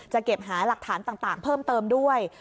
เก็บหาหลักฐานต่างเพิ่มเติมด้วย